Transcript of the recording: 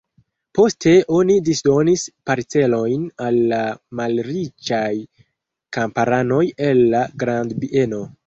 Poste oni disdonis parcelojn al la malriĉaj kamparanoj el la grandbieno.